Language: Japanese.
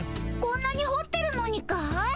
こんなにほってるのにかい？